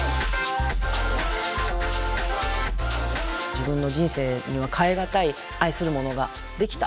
自分の人生には代え難い愛するものができた。